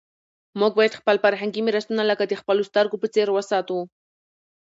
موږ باید خپل فرهنګي میراثونه لکه د خپلو سترګو په څېر وساتو.